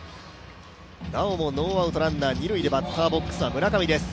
なおもノーアウトランナー、二塁でバッターボックスは村上です。